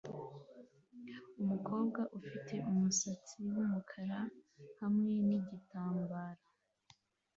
Umukobwa ufite umusatsi wumukara hamwe nigitambara